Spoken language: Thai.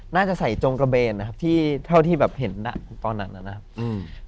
น่าจะใส่จงกระเบนนะครับเท่าที่เห็นตอนนั้นนะครับ